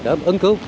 đó là ứng cứu